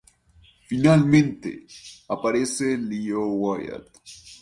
Finalmente, aparece Leo Wyatt...